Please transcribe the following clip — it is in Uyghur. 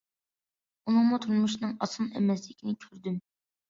ئۇنىڭمۇ تۇرمۇشىنىڭ ئاسان ئەمەسلىكىنى كۆردۈم.